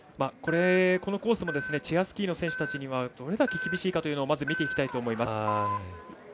このコースもチェアスキーの選手たちにはどれだけ厳しいかというのをまず見ていきたいと思います。